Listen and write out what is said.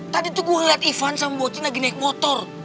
tadi tuh gue ngeliat ivan sama bothi lagi naik motor